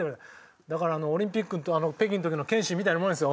だからオリンピック北京の時の憲伸みたいなもんですよ。